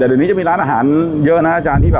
แต่เดือนนี้มีร้านอาหารเยอะนะอาจารย์